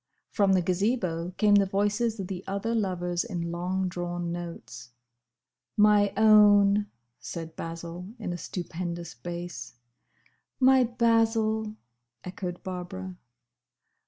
From the Gazebo came the voices of the other lovers in long drawn notes. "My own!" said Basil, in a stupendous bass. "My Basil!" echoed Barbara.